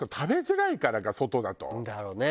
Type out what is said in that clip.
だろうね。